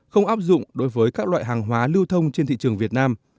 không áp dụng đối với các loại hàng hóa lưu thông trên thị trường việt nam